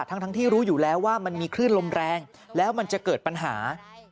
ทั้งที่รู้อยู่แล้วว่ามันมีคลื่นลมแรงแล้วมันจะเกิดปัญหา